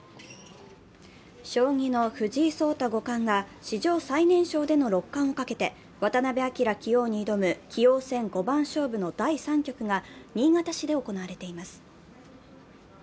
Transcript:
将棋の藤井聡太五冠が史上最年少での六冠をかけて渡辺明棋王に挑む棋王戦五番勝負の第３局が新潟市で行われています。